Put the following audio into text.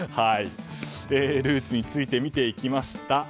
ルーツについて見ていきました。